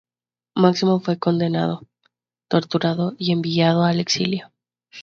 Máximo fue condenado, torturado y enviado al exilio.